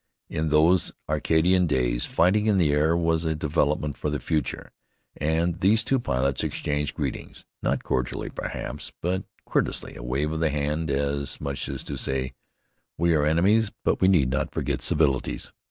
In those Arcadian days, fighting in the air was a development for the future, and these two pilots exchanged greetings, not cordially, perhaps, but courteously: a wave of the hand, as much as to say, "We are enemies, but we need not forget the civilities."